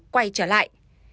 quay trở lại